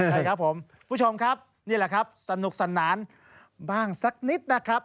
ใช่ครับผมผู้ชมครับนี่แหละครับสนุกสนานบ้างสักนิดนะครับ